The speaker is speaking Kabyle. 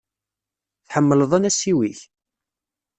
Tḥemmleḍ anasiw-ik?